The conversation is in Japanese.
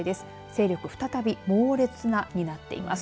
勢力、再び猛烈なになっています。